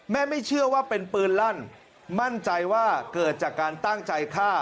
ไม่เชื่อว่าเป็นปืนลั่นมั่นใจว่าเกิดจากการตั้งใจฆ่า